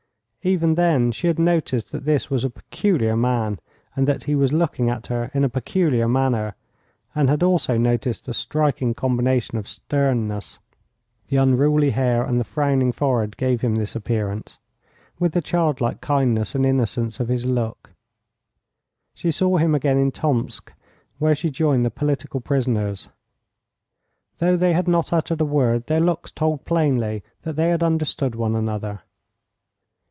Even then she had noticed that this was a peculiar man, and that he was looking at her in a peculiar manner, and had also noticed the striking combination of sternness the unruly hair and the frowning forehead gave him this appearance with the child like kindness and innocence of his look. She saw him again in Tomsk, where she joined the political prisoners. Though they had not uttered a word, their looks told plainly that they had understood one another.